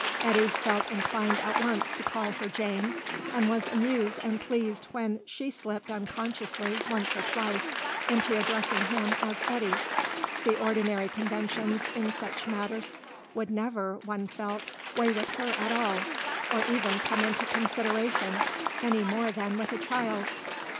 Eddy felt inclined at once to call her Jane, and was amused and pleased when she slipped unconsciously once or twice into addressing him as Eddy. The ordinary conventions in such matters would never, one felt, weigh with her at all, or even come into consideration, any more than with a child.